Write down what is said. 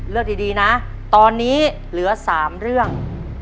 เลือกดีนะตอนนี้เหลือ๓เรื่อง